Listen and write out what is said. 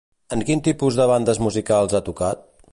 En quin tipus de bandes musicals ha tocat?